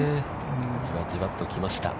じわじわと来ました。